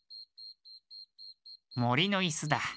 もりのいすだ。